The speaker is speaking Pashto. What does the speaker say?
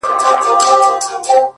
مسافرۍ كي يك تنها پرېږدې!!